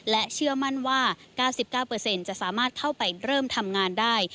และเชื่อมั่นว่า๙๙จะสามารถเข้าไปเริ่มทำงานได้